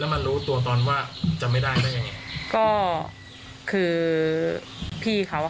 แล้วมันรู้ตัวตอนว่าจะไม่แล้วเนี่ย